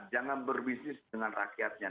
jangan berbisnis dengan rakyatnya